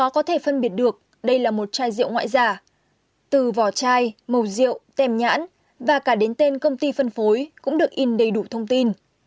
có thể phân biệt được đây là một chai rượu ngoại giả từ vỏ chai màu rượu tem nhãn và cả đến tên công ty phân phối cũng được in đầy đủ thông tin